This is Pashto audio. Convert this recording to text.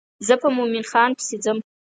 زه په مومن خان پسې ځم.